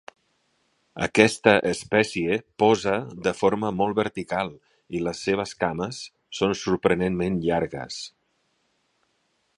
Aquesta espècie posa de forma molt vertical i les seves cames són sorprenentment llargues.